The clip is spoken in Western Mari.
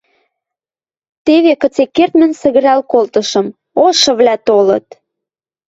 Теве кыце-кердмӹн сӹгӹрӓл колтышым: «Ошывлӓ толыт!